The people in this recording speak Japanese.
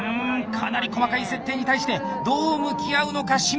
かなり細かい設定に対してどう向き合うのか清水！